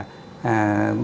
mình nhập được